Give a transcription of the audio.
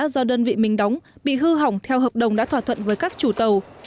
do đơn vị mình đóng bị hư hỏng theo hợp đồng đã thỏa thuận với các chủ tàu